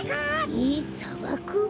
えっさばく？